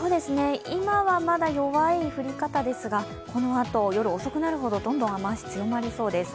今はまだ弱い降り方ですが、このあと、夜遅くなるほどどんどん雨足、強まりそうです。